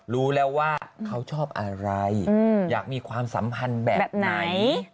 รู้แล้วว่าเขาชอบอะไรอยากมีความสัมพันธ์แบบไหน